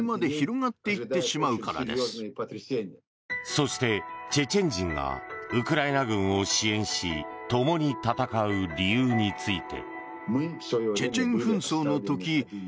そして、チェチェン人がウクライナ軍を支援しともに戦う理由について。